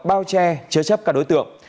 bao che chứa chấp các đối tượng